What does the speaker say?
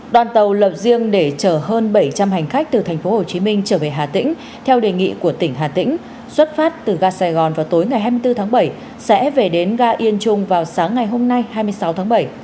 đoàn tàu lập riêng để chở hơn bảy trăm linh hành khách từ tp hcm trở về hà tĩnh theo đề nghị của tỉnh hà tĩnh xuất phát từ ga sài gòn vào tối ngày hai mươi bốn tháng bảy sẽ về đến ga yên trung vào sáng ngày hôm nay hai mươi sáu tháng bảy